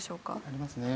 ありますね。